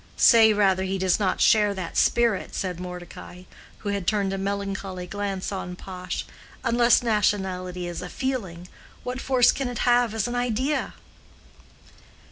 "Say, rather, he does not share that spirit," said Mordecai, who had turned a melancholy glance on Pash. "Unless nationality is a feeling, what force can it have as an idea?"